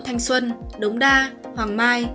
thanh xuân đống đa hoàng mai